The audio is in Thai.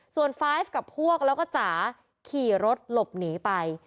ส่วนไฟล์ฟกับพวกแล้วก็จ๋าขี่รถหลบหนีไป